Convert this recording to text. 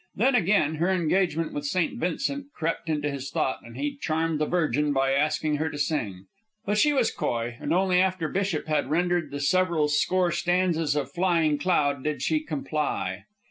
Then, again, her engagement with St. Vincent crept into his thought, and he charmed the Virgin by asking her to sing. But she was coy, and only after Bishop had rendered the several score stanzas of "Flying Cloud" did she comply.